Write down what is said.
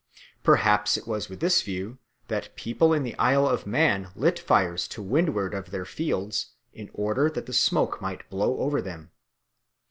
Perhaps it was with this view that people in the Isle of Man lit fires to windward of their fields in order that the smoke might blow over them.